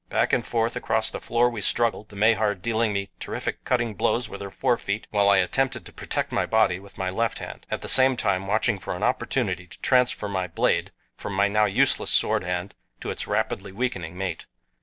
Back and forth across the floor we struggled the Mahar dealing me terrific, cutting blows with her fore feet, while I attempted to protect my body with my left hand, at the same time watching for an opportunity to transfer my blade from my now useless sword hand to its rapidly weakening mate.